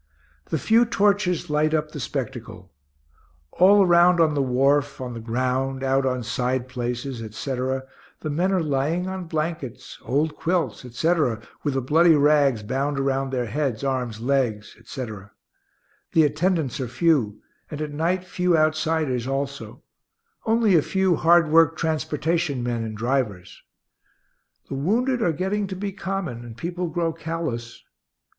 The few torches light up the spectacle. All around on the wharf, on the ground, out on side places, etc., the men are lying on blankets, old quilts, etc., with the bloody rags bound around their heads, arms, legs, etc. The attendants are few, and at night few outsiders also only a few hard worked transportation men and drivers. (The wounded are getting to be common, and people grow callous.)